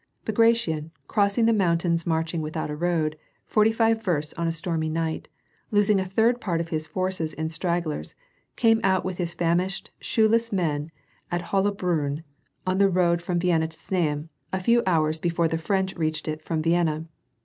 Bagration, crossing the mountains marching without a road, forty five versts on a stormy night, losing a third part of his forces in stragglers, came out with his famished, shoeless men at HoUabrflnn, on the road from Vienna to Znaim, a few hours hefore the French reached it from Vienna.